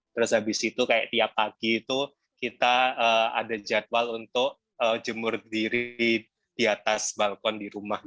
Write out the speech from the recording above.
terus habis itu kayak tiap pagi itu kita ada jadwal untuk jemur diri di atas balkon di rumah